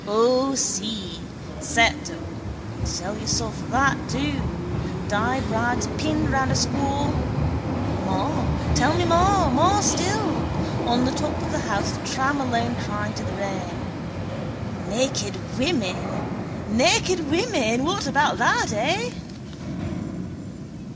O si, certo! Sell your soul for that, do, dyed rags pinned round a squaw. More tell me, more still! On the top of the Howth tram alone crying to the rain: Naked women! Naked women! What about that, eh?